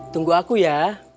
tunggu aku ya